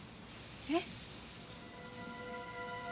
えっ！？